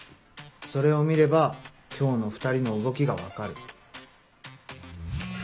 それを見れば今日の２人の動きが分かる。